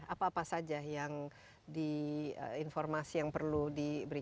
apa apa saja yang di informasi yang perlu diberikan